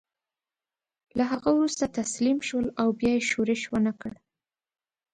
له هغه وروسته تسلیم شول او بیا یې ښورښ ونه کړ.